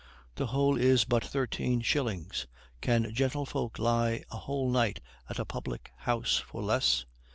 The whole is but thirteen shillings. Can gentlefolks lie a whole night at a public house for less?